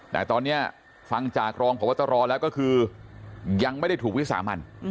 แต่ตอนนี้ฟังจากรองพบตรแล้วก็คือยังไม่ได้ถูกวิสามัน